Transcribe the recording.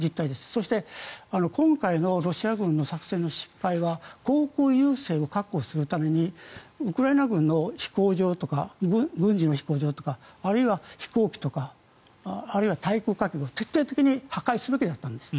そして今回のロシア軍の作戦の失敗は航空優勢を確保するためにウクライナ軍の飛行場とか軍事の飛行場とかあるいは飛行機とかあるいは対空火器を徹底的に破壊すべきだったんです。